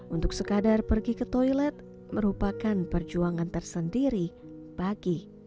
untuk sekadar pergi ke toilet merupakan perjuangan tersendiri bagi